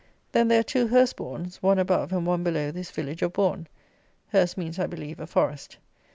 Then there are two Hurstbourns, one above and one below this village of Bourn. Hurst means, I believe, a Forest.